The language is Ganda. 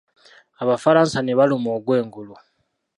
Abafalansa ne baluma ogw'engulu.